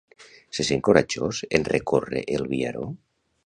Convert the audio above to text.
Se sent coratjós en recórrer el viaró?